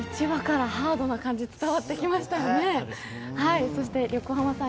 １話からハードな雰囲気、伝わってきましたよね。